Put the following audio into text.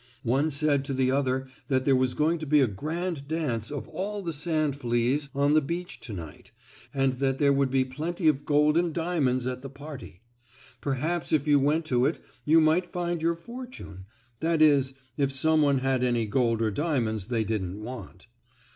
One said to the other that there was going to be a grand dance of all the sand fleas on the beach to night and that there would be plenty of gold and diamonds at the party. Perhaps if you went to it you might find your fortune that is, if some one had any gold or diamonds they didn't want."